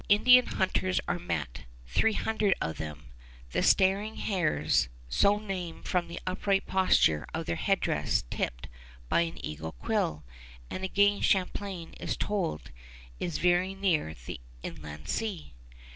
Indian hunters are met, three hundred of them, the Staring Hairs, so named from the upright posture of their headdress tipped by an eagle quill; and again Champlain is told he is very near the Inland Sea.